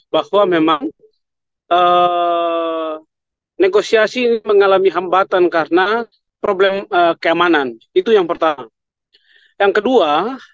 bahwa memang negosiasi ini mengalami hambatan karena problem keamanan itu yang pertama